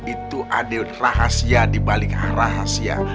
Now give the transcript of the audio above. itu ada rahasia di balik rahasia